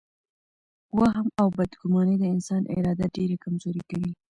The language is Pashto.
وهم او بدګماني د انسان اراده ډېره کمزورې کوي.